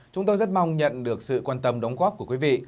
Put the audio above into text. chúng tôi rất mong nhận được sự quan tâm đóng góp của quý vị